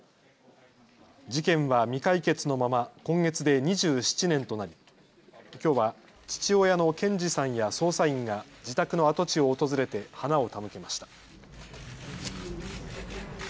事件は未解決のまま今月で２７年となりきょうは父親の賢二さんや捜査員が自宅の跡地を訪れて花を手向けました。